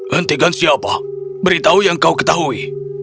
hentikan siapa beritahu yang kau ketahui